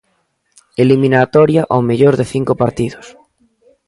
Eliminatoria ao mellor de cinco partidos.